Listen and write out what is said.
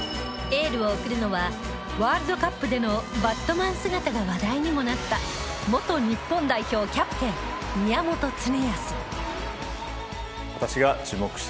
エールを送るのはワールドカップでのバットマン姿が話題となった元日本代表キャプテン宮本恒靖。